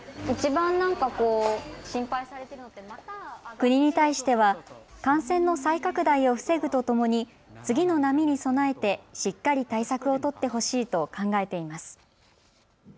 国に対しては感染の再拡大を防ぐとともに次の波に備えてしっかり対策を取ってほしいと考えています。